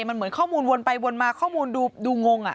มันเหมือนข้อมูลวนไปวนมาข้อมูลดูงง